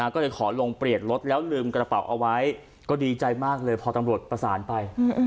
ก็เลยขอลงเปลี่ยนรถแล้วลืมกระเป๋าเอาไว้ก็ดีใจมากเลยพอตำรวจประสานไป